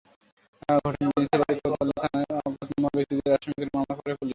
ঘটনার দিন সিলেট কোতোয়ালি থানায় অজ্ঞাতনামা ব্যক্তিদের আসামি করে মামলা করে পুলিশ।